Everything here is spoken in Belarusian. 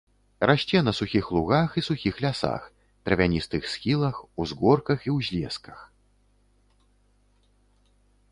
Расце на сухіх лугах і сухіх лясах, травяністых схілах, узгорках і ўзлесках.